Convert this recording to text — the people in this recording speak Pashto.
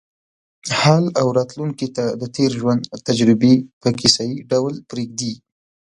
حال او راتلونکې ته د تېر ژوند تجربې په کیسه یې ډول پرېږدي.